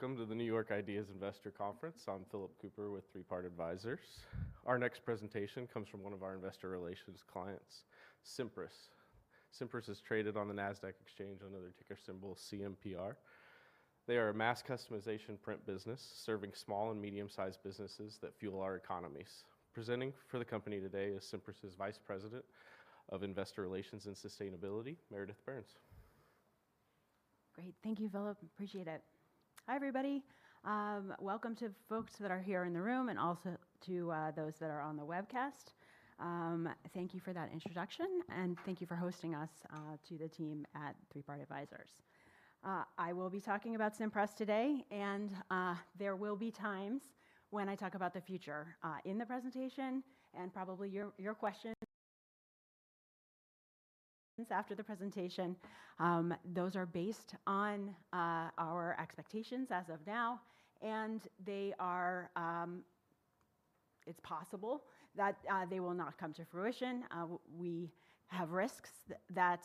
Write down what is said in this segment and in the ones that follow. Welcome to the New York IDEAS Investor Conference. I'm Phillip Kupper with Three Part Advisors. Our next presentation comes from one of our investor relations clients, Cimpress. Cimpress is traded on the Nasdaq Exchange under their ticker symbol CMPR. They are a mass customization print business serving small and medium-sized businesses that fuel our economies. Presenting for the company today is Cimpress's Vice President of Investor Relations and Sustainability, Meredith Burns. Great. Thank you, Phillip. Appreciate it. Hi, everybody. Welcome to folks that are here in the room and also to those that are on the webcast. Thank you for that introduction, and thank you for hosting us to the team at Three Part Advisors. I will be talking about Cimpress today, and there will be times when I talk about the future in the presentation and probably your questions after the presentation. Those are based on our expectations as of now, and it's possible that they will not come to fruition. We have risks that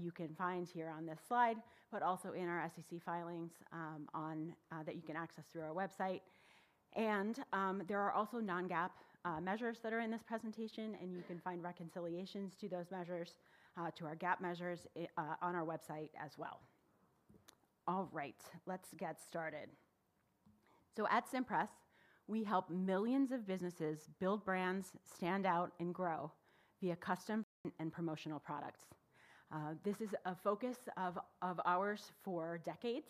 you can find here on this slide, but also in our SEC filings that you can access through our website. There are also non-GAAP measures that are in this presentation, and you can find reconciliations to those measures, to our GAAP measures on our website as well. All right. Let's get started. At Cimpress, we help millions of businesses build brands, stand out and grow via custom and promotional products. This is a focus of ours for decades.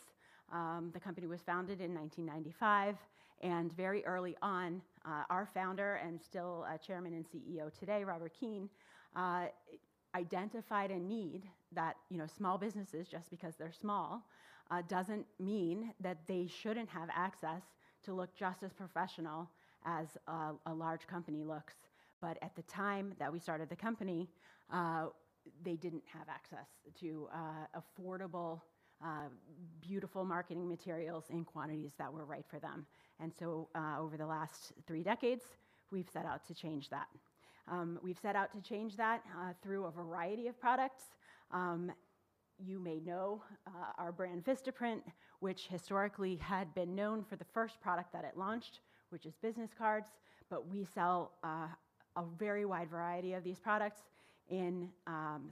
The company was founded in 1995, and very early on, our founder and still Chairman and CEO today, Robert Keane, identified a need that small businesses, just because they're small, doesn't mean that they shouldn't have access to look just as professional as a large company looks. At the time that we started the company, they didn't have access to affordable beautiful marketing materials in quantities that were right for them. Over the last three decades, we've set out to change that. We've set out to change that through a variety of products. You may know our brand, Vistaprint, which historically had been known for the first product that it launched, which is business cards, but we sell a very wide variety of these products in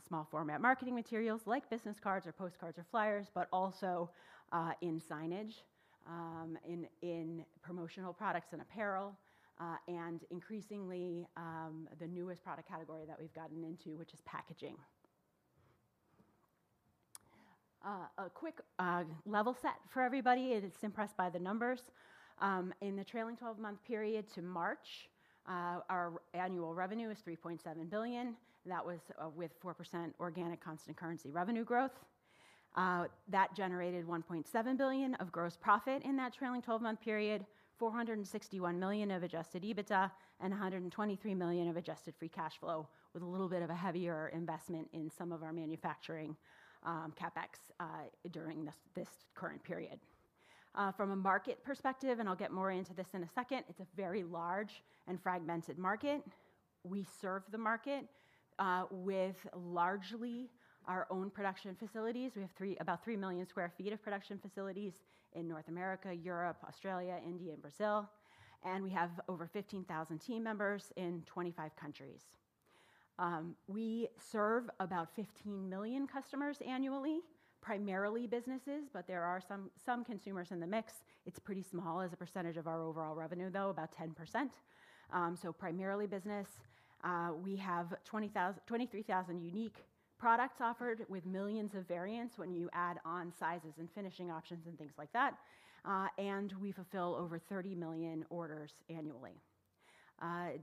small format marketing materials like business cards or postcards or flyers, but also in signage, in promotional products and apparel, and increasingly, the newest product category that we've gotten into, which is packaging. A quick level set for everybody at Cimpress by the numbers. In the trailing 12-month period to March, our annual revenue was $3.7 billion. That was with 4% organic constant currency revenue growth. That generated $1.7 billion of gross profit in that trailing 12-month period, $461 million of adjusted EBITDA, and $123 million of adjusted free cash flow, with a little bit of a heavier investment in some of our manufacturing CapEx during this current period. From a market perspective, and I'll get more into this in a second, it's a very large and fragmented market. We serve the market with largely our own production facilities. We have about 3 million square feet of production facilities in North America, Europe, Australia, India and Brazil, we have over 15,000 team members in 25 countries. We serve about 15 million customers annually, primarily businesses, but there are some consumers in the mix. It's pretty small as a percentage of our overall revenue, though, about 10%. Primarily business. We have 23,000 unique products offered with millions of variants when you add on sizes and finishing options and things like that. We fulfill over 30 million orders annually.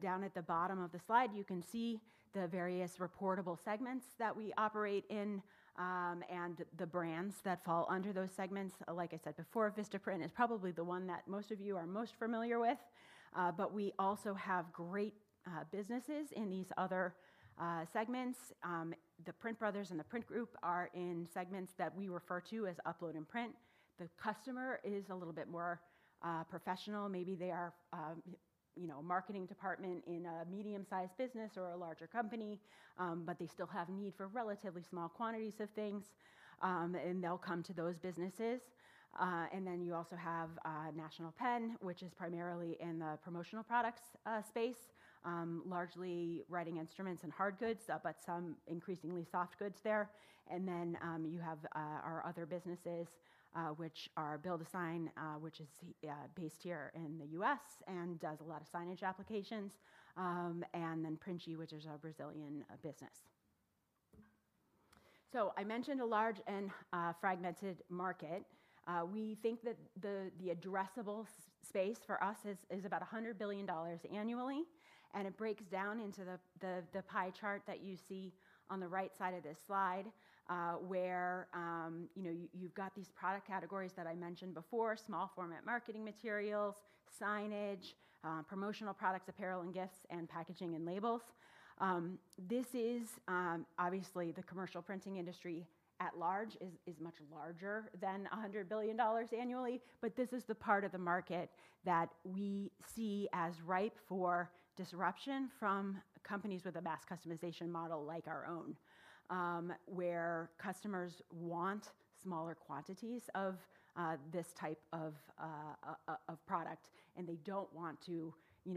Down at the bottom of the slide, you can see the various reportable segments that we operate in and the brands that fall under those segments. Like I said before, Vistaprint is probably the one that most of you are most familiar with, but we also have great businesses in these other segments. The PrintBrothers and The Print Group are in segments that we refer to as upload and print. The customer is a little bit more professional. Maybe they are a marketing department in a medium-sized business or a larger company, but they still have need for relatively small quantities of things. They'll come to those businesses. You also have National Pen, which is primarily in the promotional products space. Largely writing instruments and hard goods, but some increasingly soft goods there. You have our other businesses, which are BuildASign, which is based here in the U.S. and does a lot of signage applications. Printi, which is our Brazilian business. I mentioned a large and fragmented market. We think that the addressable space for us is about $100 billion annually, and it breaks down into the pie chart that you see on the right side of this slide, where you've got these product categories that I mentioned before, small format marketing materials, signage, promotional products, apparel and gifts, and packaging and labels. This is obviously the commercial printing industry at large is much larger than $100 billion annually, but this is the part of the market that we see as ripe for disruption from companies with a mass customization model like our own, where customers want smaller quantities of this type of product, and they don't want to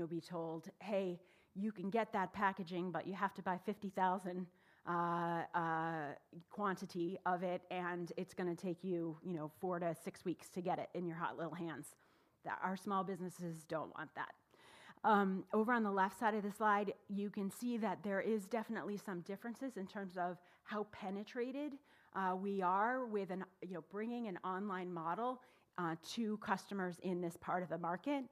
be told, "Hey, you can get that packaging, but you have to buy 50,000 quantity of it, and it's going to take you four to six weeks to get it in your hot little hands." Our small businesses don't want that. Over on the left side of the slide, you can see that there is definitely some differences in terms of how penetrated we are with bringing an online model to customers in this part of the market.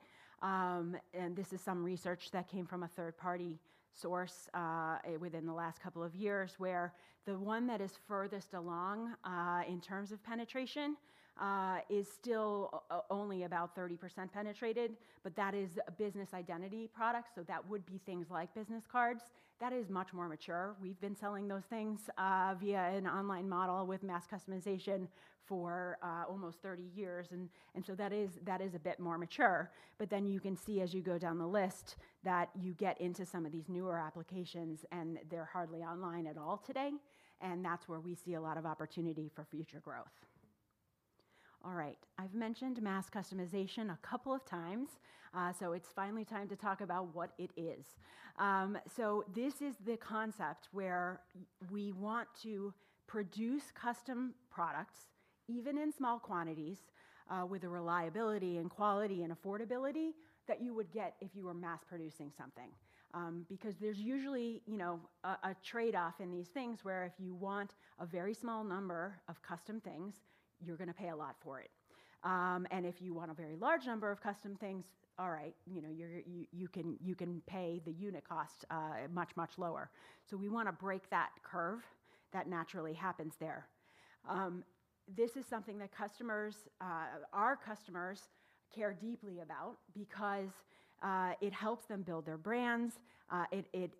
This is some research that came from a third-party source within the last couple of years, where the one that is furthest along in terms of penetration is still only about 30% penetrated, but that is a business identity product, so that would be things like business cards. That is much more mature. We've been selling those things via an online model with mass customization for almost 30 years. That is a bit more mature. You can see as you go down the list that you get into some of these newer applications, they're hardly online at all today. That's where we see a lot of opportunity for future growth. All right. I've mentioned mass customization a couple of times, it's finally time to talk about what it is. This is the concept where we want to produce custom products, even in small quantities, with the reliability and quality and affordability that you would get if you were mass producing something. There's usually a trade-off in these things, where if you want a very small number of custom things, you're going to pay a lot for it. If you want a very large number of custom things, all right, you can pay the unit cost much, much lower. We want to break that curve that naturally happens there. This is something that our customers care deeply about because it helps them build their brands. It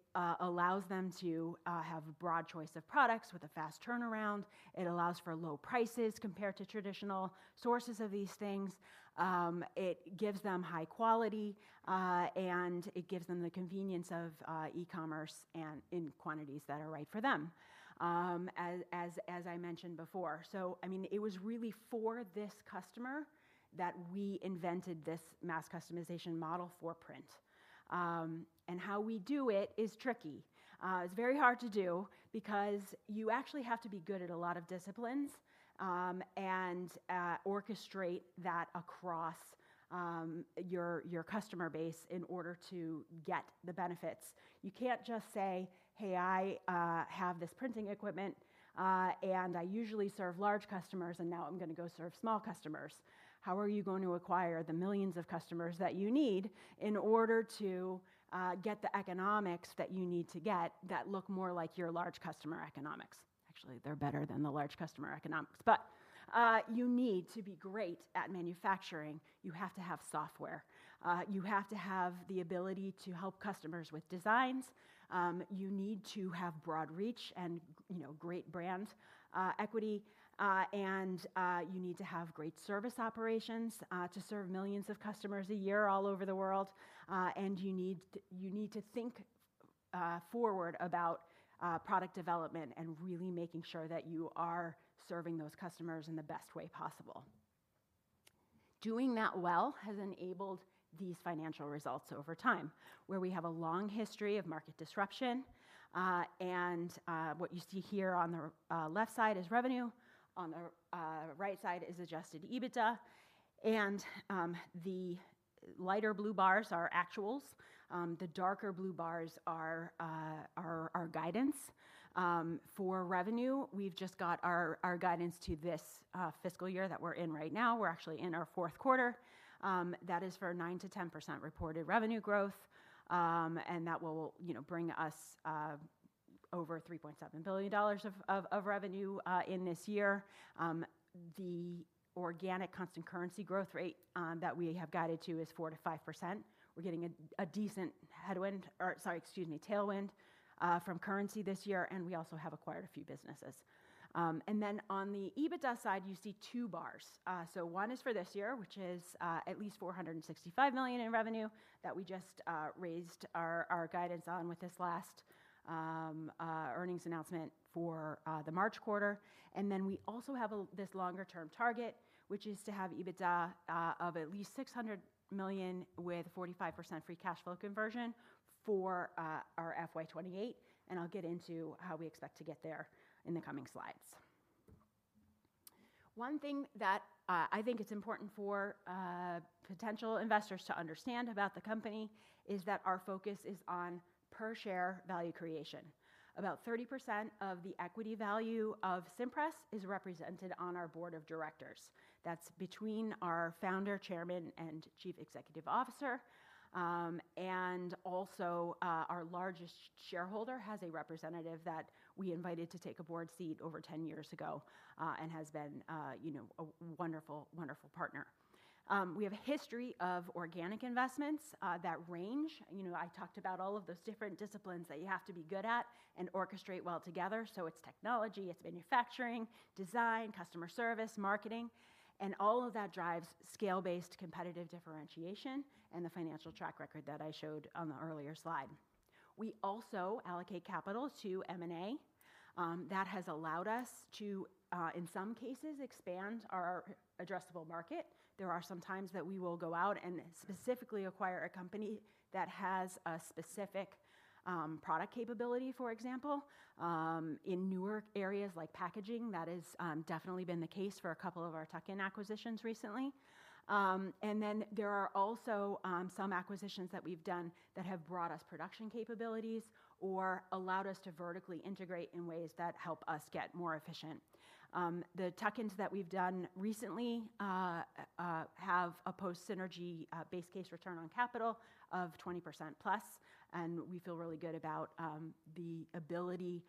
allows them to have a broad choice of products with a fast turnaround. It allows for low prices compared to traditional sources of these things. It gives them high quality, it gives them the convenience of e-commerce and in quantities that are right for them, as I mentioned before. It was really for this customer that we invented this mass customization model for print. How we do it is tricky. It's very hard to do because you actually have to be good at a lot of disciplines, orchestrate that across your customer base in order to get the benefits. You can't just say, "Hey, I have this printing equipment, I usually serve large customers, now I'm going to go serve small customers." How are you going to acquire the millions of customers that you need in order to get the economics that you need to get that look more like your large customer economics? Actually, they're better than the large customer economics. You need to be great at manufacturing. You have to have software. You have to have the ability to help customers with designs. You need to have broad reach and great brand equity. You need to have great service operations to serve millions of customers a year all over the world. You need to think forward about product development and really making sure that you are serving those customers in the best way possible. Doing that well has enabled these financial results over time, where we have a long history of market disruption. What you see here on the left side is revenue, on the right side is adjusted EBITDA. The lighter blue bars are actuals. The darker blue bars are our guidance. For revenue, we've just got our guidance to this fiscal year that we're in right now. We're actually in our fourth quarter. That is for 9%-10% reported revenue growth. That will bring us over $3.7 billion of revenue in this year. The organic constant currency growth rate that we have guided to is 4%-5%. We're getting a decent headwind, or sorry, excuse me, tailwind from currency this year, and we also have acquired a few businesses. Then on the EBITDA side, you see two bars. So one is for this year, which is at least $465 million in revenue that we just raised our guidance on with this last earnings announcement for the March quarter. Then we also have this longer term target, which is to have EBITDA of at least $600 million with 45% free cash flow conversion for our FY 2028. I'll get into how we expect to get there in the coming slides. One thing that I think is important for potential investors to understand about the company is that our focus is on per share value creation. About 30% of the equity value of Cimpress is represented on our board of directors. That's between our founder, Chairman, and Chief Executive Officer. Also our largest shareholder has a representative that we invited to take a board seat over 10 years ago, and has been a wonderful partner. We have a history of organic investments that range. I talked about all of those different disciplines that you have to be good at and orchestrate well together. So it's technology, it's manufacturing, design, customer service, marketing, and all of that drives scale-based competitive differentiation and the financial track record that I showed on the earlier slide. We also allocate capital to M&A. That has allowed us to, in some cases, expand our addressable market. There are some times that we will go out and specifically acquire a company that has a specific product capability, for example. In newer areas like packaging, that has definitely been the case for a couple of our tuck-in acquisitions recently. Then there are also some acquisitions that we've done that have brought us production capabilities or allowed us to vertically integrate in ways that help us get more efficient. The tuck-ins that we've done recently have a post-synergy base case return on capital of 20%+, and we feel really good about the ability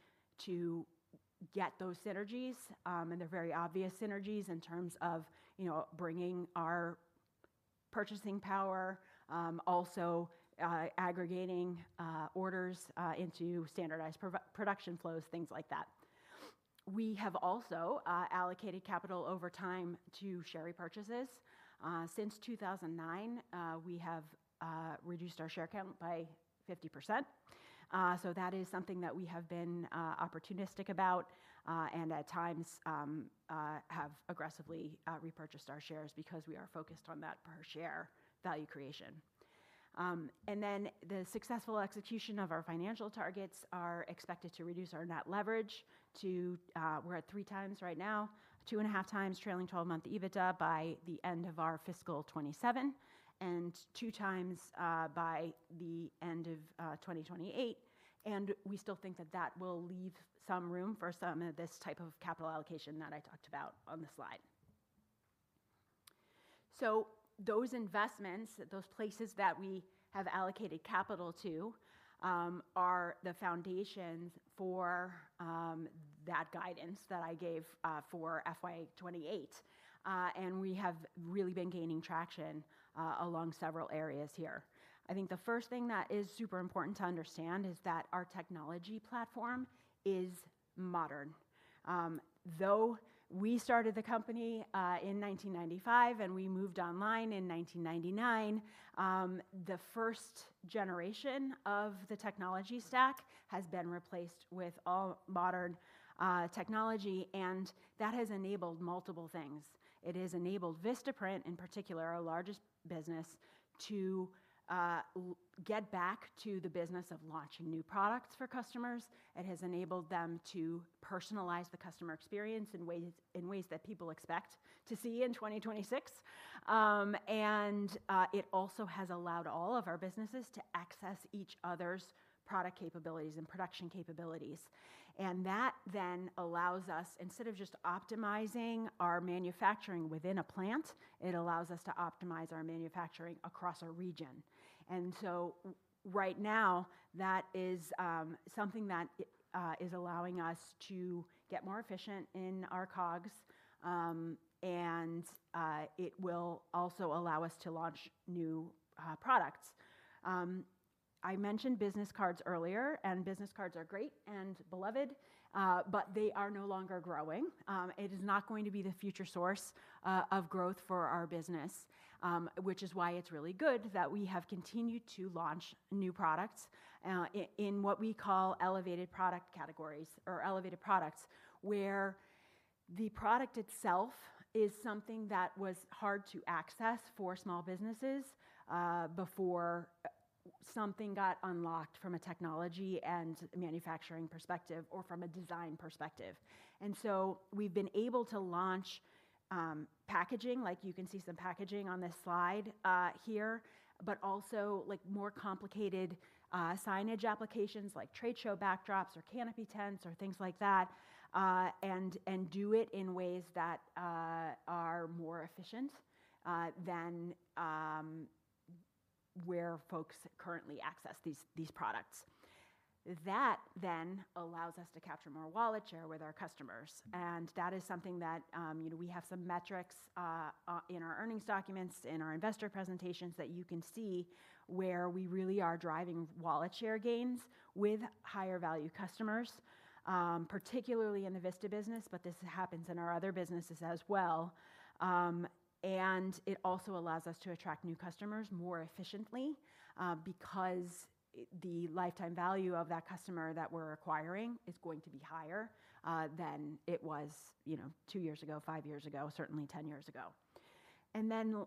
to get those synergies. They're very obvious synergies in terms of bringing our purchasing power, also aggregating orders into standardized production flows, things like that. We have also allocated capital over time to share repurchases. Since 2009, we have reduced our share count by 50%. So that is something that we have been opportunistic about, and at times have aggressively repurchased our shares because we are focused on that per share value creation. Then the successful execution of our financial targets are expected to reduce our net leverage to, we're at 3x right now, 2.5x trailing 12-month EBITDA by the end of our fiscal 2027, and 2x by the end of 2028. We still think that that will leave some room for some of this type of capital allocation that I talked about on the slide. So those investments, those places that we have allocated capital to, are the foundations for that guidance that I gave for FY 2028. We have really been gaining traction along several areas here. I think the first thing that is super important to understand is that our technology platform is modern. Though we started the company in 1995 and we moved online in 1999, the first generation of the technology stack has been replaced with all modern technology, and that has enabled multiple things. It has enabled Vistaprint, in particular, our largest business, to get back to the business of launching new products for customers. It has enabled them to personalize the customer experience in ways that people expect to see in 2026. It also has allowed all of our businesses to access each other's product capabilities and production capabilities. It allows us, instead of just optimizing our manufacturing within a plant, it allows us to optimize our manufacturing across a region. Right now, that is something that is allowing us to get more efficient in our COGS, and it will also allow us to launch new products. I mentioned business cards earlier, and business cards are great and beloved, but they are no longer growing. It is not going to be the future source of growth for our business. It's really good that we have continued to launch new products, in what we call elevated product categories or elevated products, where the product itself is something that was hard to access for small businesses before something got unlocked from a technology and manufacturing perspective, or from a design perspective. We've been able to launch packaging, like you can see some packaging on this slide here, but also more complicated signage applications like trade show backdrops or canopy tents or things like that, and do it in ways that are more efficient than where folks currently access these products. It allows us to capture more wallet share with our customers. That is something that we have some metrics in our earnings documents, in our investor presentations, that you can see where we really are driving wallet share gains with higher value customers, particularly in the Vista business, but this happens in our other businesses as well. It also allows us to attract new customers more efficiently, because the lifetime value of that customer that we're acquiring is going to be higher than it was two years ago, five years ago, certainly 10 years ago.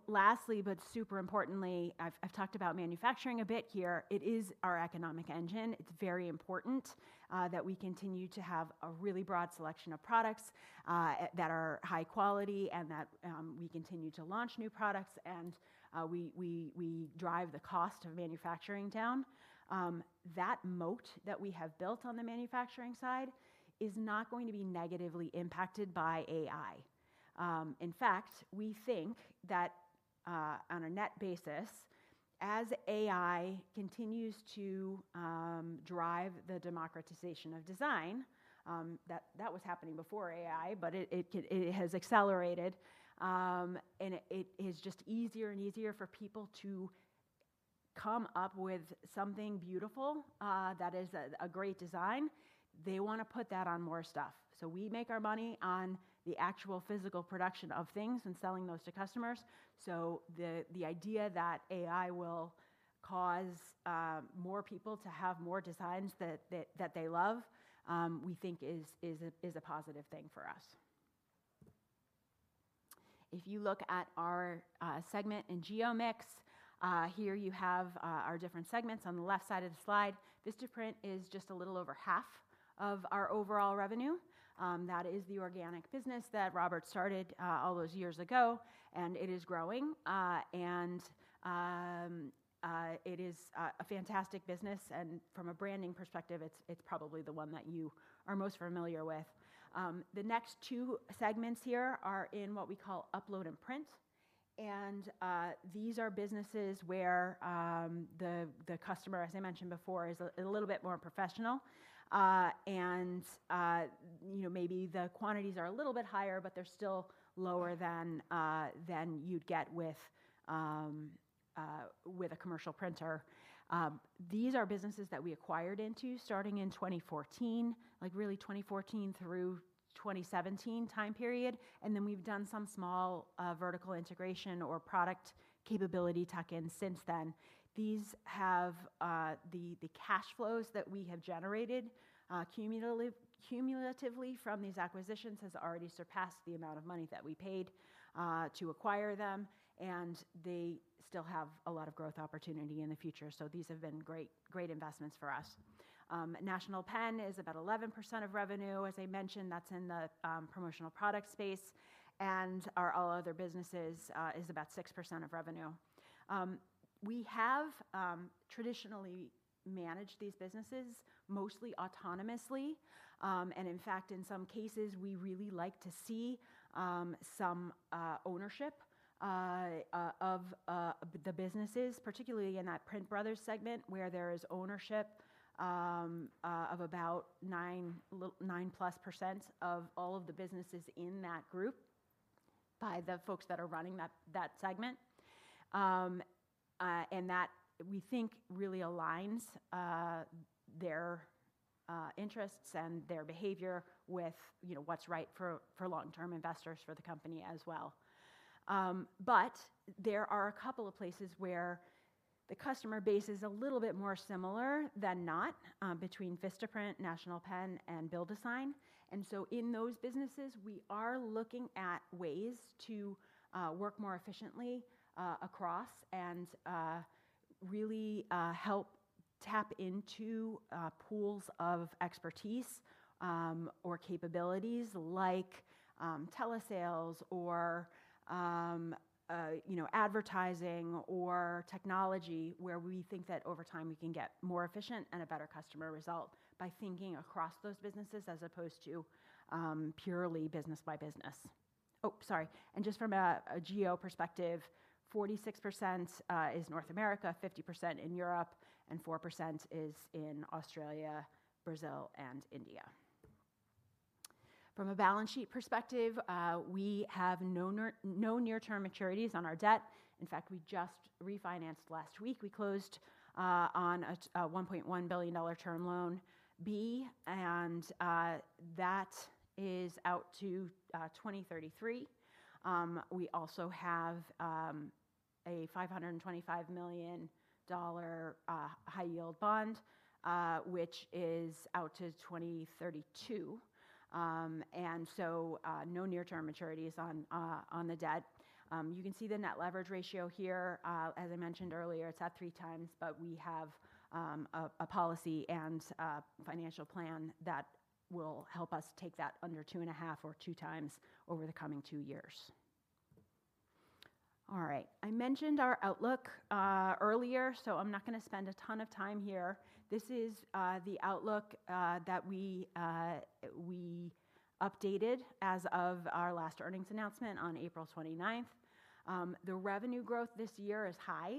Lastly, but super importantly, I've talked about manufacturing a bit here. It is our economic engine. It's very important that we continue to have a really broad selection of products that are high quality and that we continue to launch new products, and we drive the cost of manufacturing down. That moat that we have built on the manufacturing side is not going to be negatively impacted by AI. In fact, we think that on a net basis, as AI continues to drive the democratization of design, that was happening before AI, but it has accelerated, and it is just easier and easier for people to come up with something beautiful that is a great design. They want to put that on more stuff. We make our money on the actual physical production of things and selling those to customers. The idea that AI will cause more people to have more designs that they love, we think is a positive thing for us. If you look at our segment in geo mix, here you have our different segments on the left side of the slide. Vistaprint is just a little over half of our overall revenue. That is the organic business that Robert started all those years ago, and it is growing. It is a fantastic business. From a branding perspective, it's probably the one that you are most familiar with. The next two segments here are in what we call upload and print. These are businesses where the customer, as I mentioned before, is a little bit more professional. Maybe the quantities are a little bit higher, but they're still lower than you'd get with a commercial printer. These are businesses that we acquired into starting in 2014, really 2014 through 2017 time period. Then we've done some small vertical integration or product capability tuck-ins since then. The cash flows that we have generated cumulatively from these acquisitions has already surpassed the amount of money that we paid to acquire them, and they still have a lot of growth opportunity in the future. These have been great investments for us. National Pen is about 11% of revenue. As I mentioned, that's in the promotional product space, and our all other businesses is about 6% of revenue. We have traditionally managed these businesses mostly autonomously. In fact, in some cases, we really like to see some ownership of the businesses, particularly in that PrintBrothers segment where there is ownership of about 9%+ of all of the businesses in that group by the folks that are running that segment. That we think really aligns their interests and their behavior with what's right for long-term investors for the company as well. There are a couple of places where the customer base is a little bit more similar than not between Vistaprint, National Pen, and BuildASign. In those businesses, we are looking at ways to work more efficiently across and really help tap into pools of expertise or capabilities like telesales or advertising or technology where we think that over time we can get more efficient and a better customer result by thinking across those businesses as opposed to purely business by business. Oh, sorry. Just from a geo perspective, 46% is North America, 50% in Europe, and 4% is in Australia, Brazil, and India. From a balance sheet perspective, we have no near-term maturities on our debt. In fact, we just refinanced last week. We closed on a $1.1 billion term loan B, and that is out to 2033. We also have a $525 million high-yield bond which is out to 2032. No near-term maturities on the debt. You can see the net leverage ratio here. As I mentioned earlier, it's at 3x, but we have a policy and a financial plan that will help us take that under 2.5x or 2x over the coming two years. I mentioned our outlook earlier, I'm not going to spend a ton of time here. This is the outlook that we updated as of our last earnings announcement on April 29th. The revenue growth this year is high,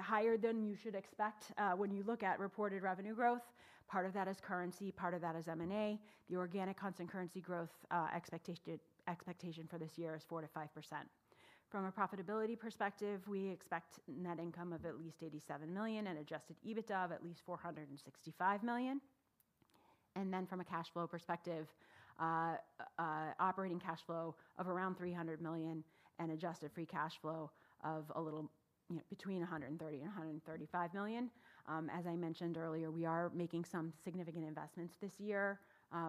higher than you should expect when you look at reported revenue growth. Part of that is currency, part of that is M&A. The organic constant currency growth expectation for this year is 4%-5%. From a profitability perspective, we expect net income of at least $87 million and adjusted EBITDA of at least $465 million. From a cash flow perspective, operating cash flow of around $300 million and adjusted free cash flow of a little between $130 million and $135 million. As I mentioned earlier, we are making some significant investments this year,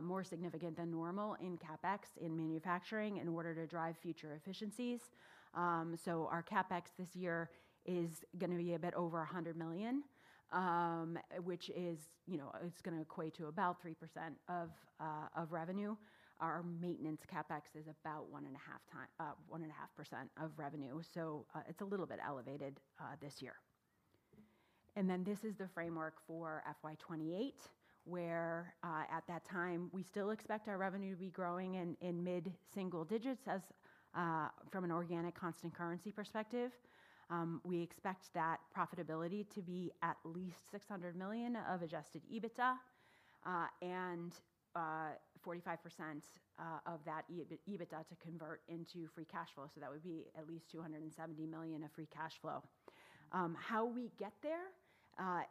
more significant than normal in CapEx, in manufacturing, in order to drive future efficiencies. Our CapEx this year is going to be a bit over $100 million, which is going to equate to about 3% of revenue. Our maintenance CapEx is about 1.5% of revenue, it's a little bit elevated this year. This is the framework for FY 2028, where at that time, we still expect our revenue to be growing in mid-single digits from an organic constant currency perspective. We expect that profitability to be at least $600 million of adjusted EBITDA, 45% of that EBITDA to convert into free cash flow. That would be at least $270 million of free cash flow. How we get there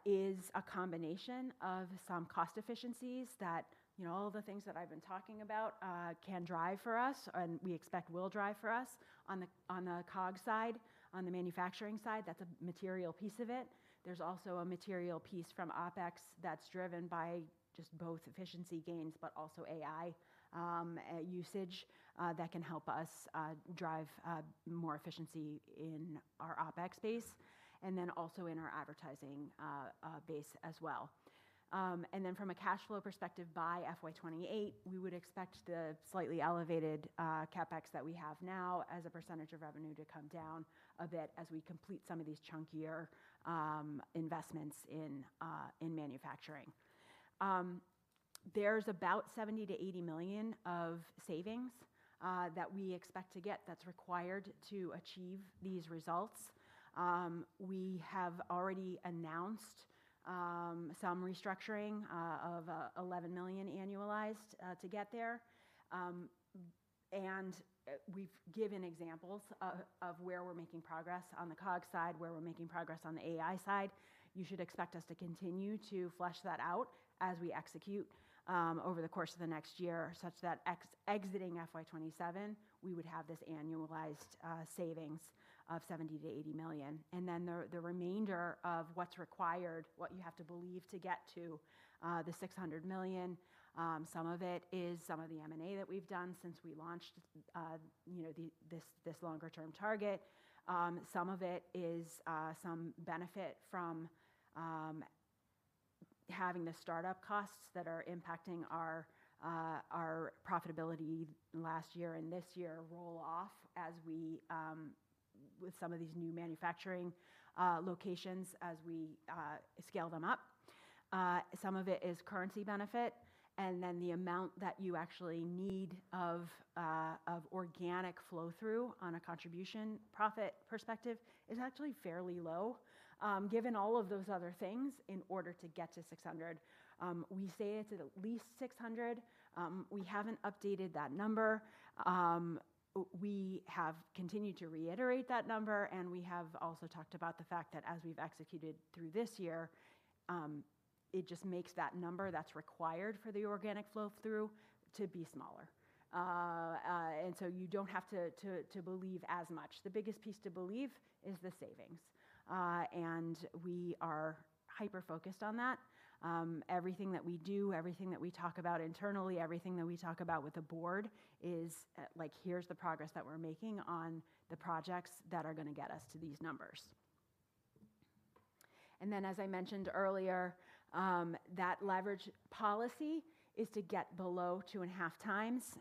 is a combination of some cost efficiencies that all of the things that I've been talking about can drive for us, and we expect will drive for us on the COGS side, on the manufacturing side. That's a material piece of it. There's also a material piece from OpEx that's driven by just both efficiency gains, but also AI usage that can help us drive more efficiency in our OpEx base, also in our advertising base as well. From a cash flow perspective, by FY 2028, we would expect the slightly elevated CapEx that we have now as a percentage of revenue to come down a bit as we complete some of these chunkier investments in manufacturing. There's about $70 million-$80 million of savings that we expect to get that's required to achieve these results. We have already announced some restructuring of $11 million annualized to get there. We've given examples of where we're making progress on the COGS side, where we're making progress on the AI side. You should expect us to continue to flesh that out as we execute over the course of the next year, such that exiting FY 2027, we would have this annualized savings of $70 million-$80 million. The remainder of what's required, what you have to believe to get to the $600 million, some of it is some of the M&A that we've done since we launched this longer-term target. Some of it is some benefit from having the startup costs that are impacting our profitability last year and this year roll off with some of these new manufacturing locations as we scale them up. Some of it is currency benefit, the amount that you actually need of organic flow-through on a contribution profit perspective is actually fairly low given all of those other things in order to get to $600 million. We say it's at least $600 million. We haven't updated that number. We have continued to reiterate that number. We have also talked about the fact that as we've executed through this year, it just makes that number that's required for the organic flow-through to be smaller. You don't have to believe as much. The biggest piece to believe is the savings. We are hyper-focused on that. Everything that we do, everything that we talk about internally, everything that we talk about with the board is like, "Here's the progress that we're making on the projects that are going to get us to these numbers." As I mentioned earlier, that leverage policy is to get below 2.5x,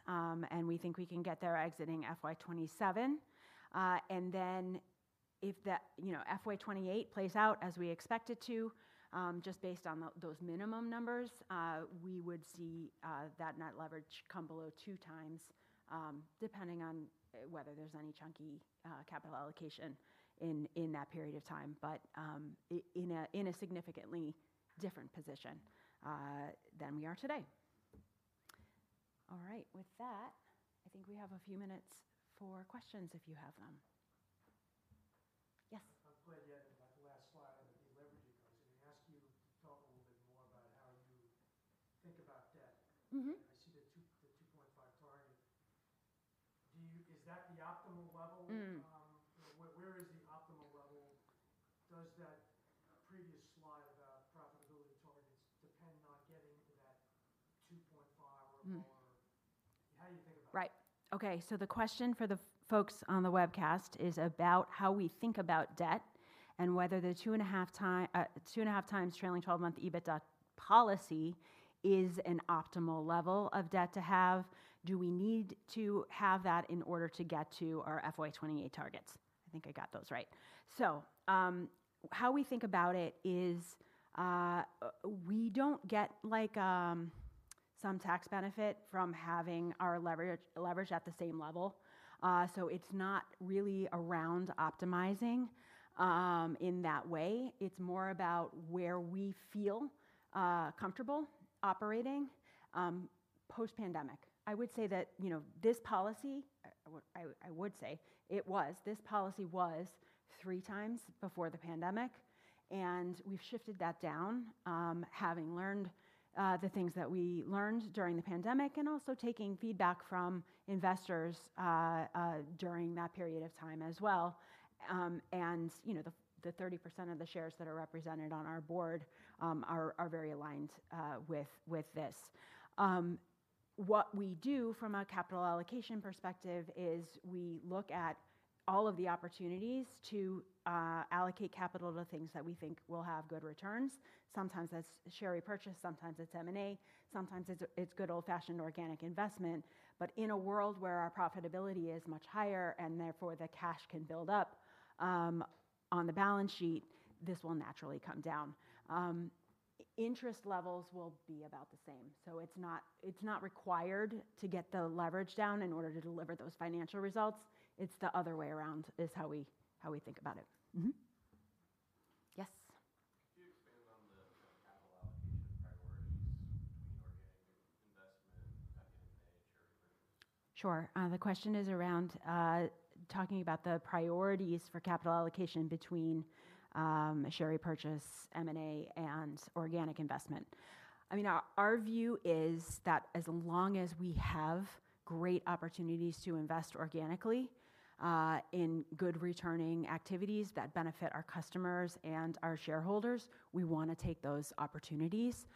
we think we can get there exiting FY 2027. If FY 2028 plays out as we expect it to, just based on those minimum numbers, we would see that net leverage come below 2x, depending on whether there's any chunky capital allocation in that period of time, but in a significantly different position than we are today. All right. With that, I think we have a few minutes for questions if you have them. Yes. I'm glad you had the last slide on the leverage policy. Can I ask you to talk a little bit more about how you think about debt? I see the 2.5x target. Is that the optimal level? Where is the optimal level? Does that previous slide about profitability targets depend on getting to that 2.5x or more? How do you think about that? Right. Okay. The question for the folks on the webcast is about how we think about debt and whether the 2.5x Trailing 12-month EBITDA policy is an optimal level of debt to have. Do we need to have that in order to get to our FY 2028 targets? I think I got those right. How we think about it is we don't get some tax benefit from having our leverage at the same level. It's not really around optimizing in that way. It's more about where we feel comfortable operating. Post-pandemic, I would say that this policy was three times before the pandemic, and we've shifted that down, having learned the things that we learned during the pandemic, and also taking feedback from investors during that period of time as well. The 30% of the shares that are represented on our board are very aligned with this. What we do from a capital allocation perspective is we look at all of the opportunities to allocate capital to things that we think will have good returns. Sometimes that's share repurchase, sometimes it's M&A, sometimes it's good old-fashioned organic investment. In a world where our profitability is much higher, and therefore the cash can build up on the balance sheet, this will naturally come down. Interest levels will be about the same. It's not required to get the leverage down in order to deliver those financial results. It's the other way around is how we think about it. Yes. Could you expand on the capital allocation priorities between organic investment, M&A, share repurchase? Sure. The question is around talking about the priorities for capital allocation between share repurchase, M&A, and organic investment. Our view is that as long as we have great opportunities to invest organically in good returning activities that benefit our customers and our shareholders, we want to take those opportunities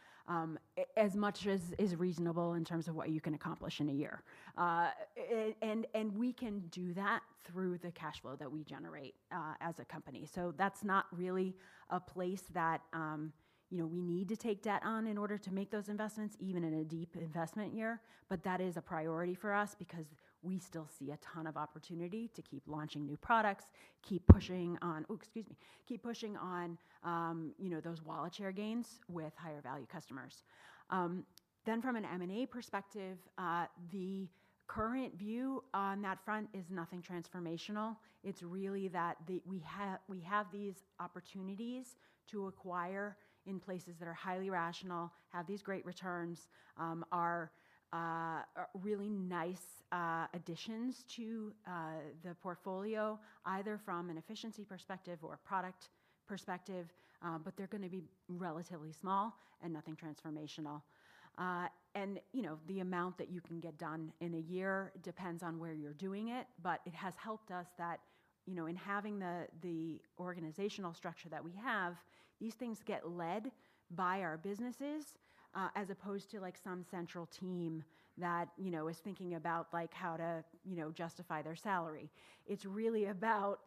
as much as is reasonable in terms of what you can accomplish in a year. We can do that through the cash flow that we generate as a company. That's not really a place that we need to take debt on in order to make those investments, even in a deep investment year. That is a priority for us because we still see a ton of opportunity to keep launching new products, keep pushing on those wallet share gains with higher value customers. From an M&A perspective, the current view on that front is nothing transformational. It's really that we have these opportunities to acquire in places that are highly rational, have these great returns, are really nice additions to the portfolio, either from an efficiency perspective or a product perspective, but they're going to be relatively small and nothing transformational. The amount that you can get done in a year depends on where you're doing it. It has helped us that in having the organizational structure that we have, these things get led by our businesses, as opposed to some central team that is thinking about how to justify their salary. It's really about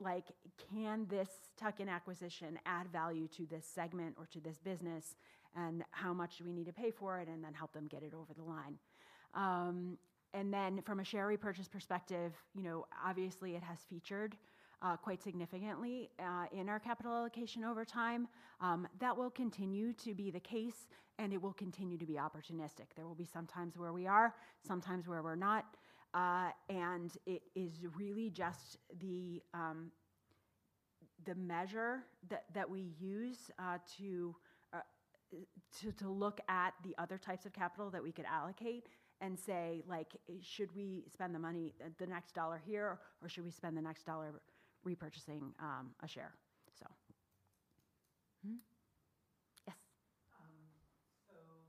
can this tuck-in acquisition add value to this segment or to this business, and how much do we need to pay for it, and then help them get it over the line. From a share repurchase perspective, obviously it has featured quite significantly in our capital allocation over time. That will continue to be the case, and it will continue to be opportunistic. There will be some times where we are, some times where we're not. It is really just the measure that we use to look at the other types of capital that we could allocate and say, "Should we spend the money, the next dollar here, or should we spend the next dollar repurchasing a share?" So. Mm-hmm. Yes. I'm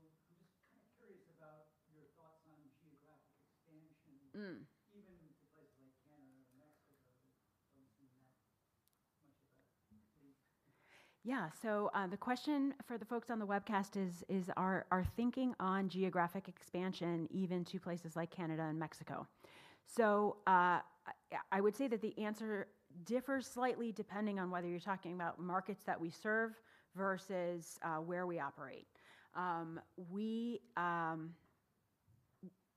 just kind of curious about your thoughts on geographic expansion. Even to places like Canada and Mexico, it doesn't seem that much of a leap. Yeah. The question for the folks on the webcast is our thinking on geographic expansion even to places like Canada and Mexico. I would say that the answer differs slightly depending on whether you're talking about markets that we serve versus where we operate.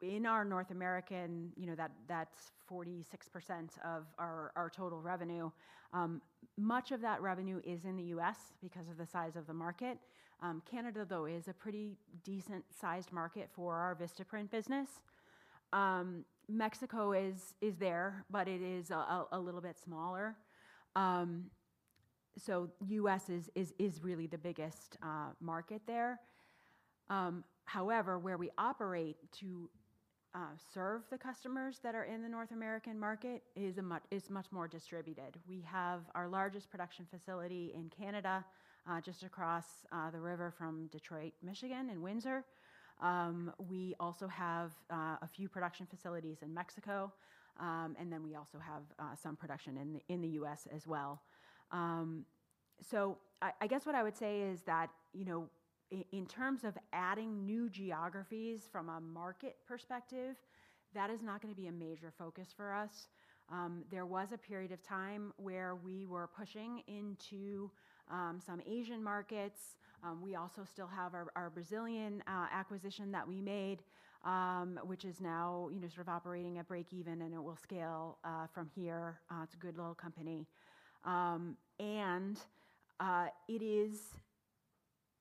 In our North American, that's 46% of our total revenue. Much of that revenue is in the U.S. because of the size of the market. Canada, though, is a pretty decent-sized market for our Vistaprint business. Mexico is there, but it is a little bit smaller. The U.S. is really the biggest market there. However, where we operate to serve the customers that are in the North American market is much more distributed. We have our largest production facility in Canada, just across the river from Detroit, Michigan, in Windsor. We also have a few production facilities in Mexico, then we also have some production in the U.S. as well. I guess what I would say is that in terms of adding new geographies from a market perspective, that is not going to be a major focus for us. There was a period of time where we were pushing into some Asian markets. We also still have our Brazilian acquisition that we made, which is now sort of operating at breakeven, and it will scale from here. It's a good little company.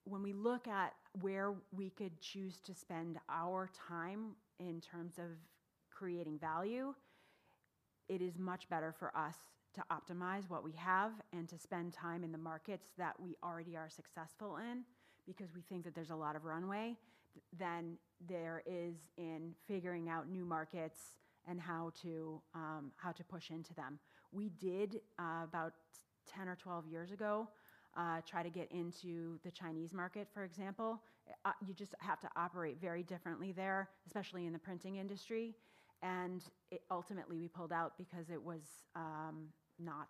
When we look at where we could choose to spend our time in terms of creating value, it is much better for us to optimize what we have and to spend time in the markets that we already are successful in because we think that there's a lot of runway than there is in figuring out new markets and how to push into them. We did, about 10 or 12 years ago, try to get into the Chinese market, for example. You just have to operate very differently there, especially in the printing industry. Ultimately, we pulled out because it was not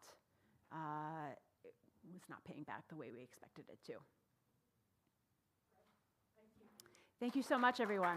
paying back the way we expected it to. Thank you. Thank you so much, everyone.